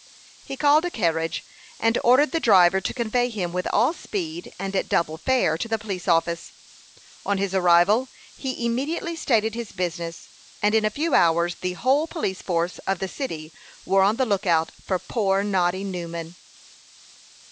He called a carriage, and ordered the driver to convey him with all speed, and at double fare, to the police office. On his arrival, he immediately stated his business, and in a few hours the whole police force of the city were on the lookout for poor Noddy Newman.